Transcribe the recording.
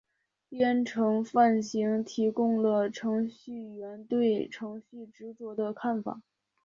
编程范型提供了程序员对程序执行的看法。